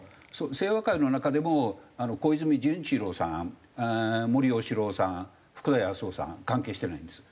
清和会の中でも小泉純一郎さん森喜朗さん福田康夫さん関係してないんです。